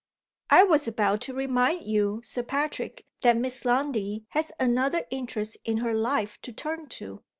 "I was about to remind you, Sir Patrick, that Miss Lundie has another interest in her life to turn to.